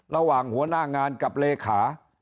ระหว่างหัวหน้างานกับเลขา